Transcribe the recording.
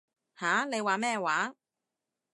吓？你話咩話？